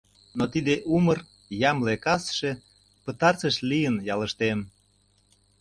Но тиде умыр, ямле касше Пытартыш лийын ялыштем.